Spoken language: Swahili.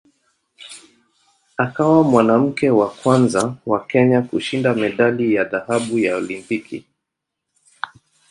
Akawa mwanamke wa kwanza wa Kenya kushinda medali ya dhahabu ya Olimpiki.